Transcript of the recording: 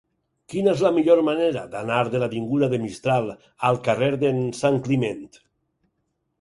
Quina és la millor manera d'anar de l'avinguda de Mistral al carrer d'en Santcliment?